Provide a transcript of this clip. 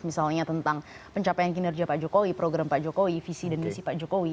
misalnya tentang pencapaian kinerja pak jokowi program pak jokowi visi dan misi pak jokowi